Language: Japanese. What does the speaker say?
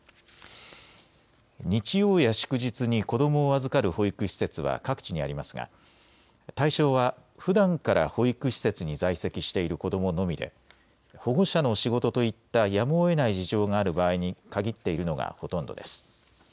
日曜や祝日に子どもを預かる保育施設は各地にありますが対象はふだんから保育施設に在籍している子どものみで保護者の仕事といったやむをえない事情がある場合に限っているのがほとんどです。